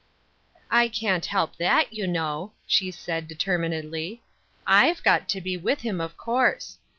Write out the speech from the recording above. " I can't help that, you know," she said, de terminedly ;" Tve got to be with him, of course.